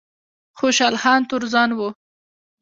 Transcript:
خوشحال خان تورزن و